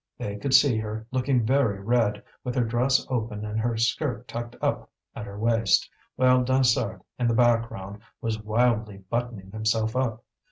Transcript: They could see her, looking very red, with her dress open and her skirt tucked up at her waist; while Dansaert, in the background, was wildly buttoning himself up.